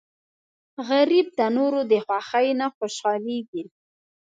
غریب د نورو د خوښۍ نه خوشحالېږي